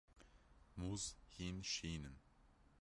Mûz hîn şîn in.